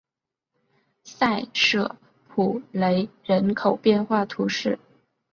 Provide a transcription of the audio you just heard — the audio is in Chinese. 塞舍普雷人口变化图示